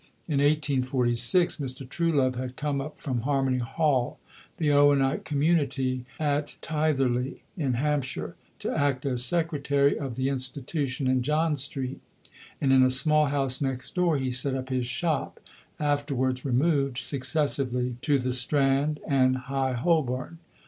In 1846 Mr. Truelove had come up from "Harmony Hall," the Owenite community at Tytherley in Hampshire, to act as Secretary of the Institution in John Street; and in a small house next door he set up his shop afterwards removed, successively, to the Strand and High Holborn.